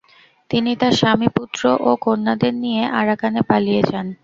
তিনি তার স্বামী, পুত্র ও কন্যাদের নিয়ে আরাকানে পালিয়ে যান।